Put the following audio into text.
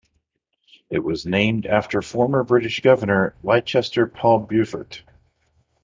It was named after former British Governor Leicester Paul Beaufort.